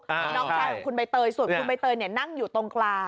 น้องชายของคุณใบเตยส่วนคุณใบเตยนั่งอยู่ตรงกลาง